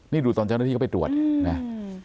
นี่ดูตอนเจ้าหน้าที่เข้าไปตรวจนะ